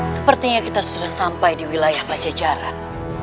sepertinya kita sudah sampai di wilayah pajajaran